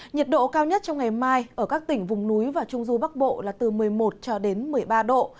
nhiệt độ cao nhất trong ngày mai ở các tỉnh vùng núi và trung du bắc bộ là từ một mươi một cho đến một mươi ba độ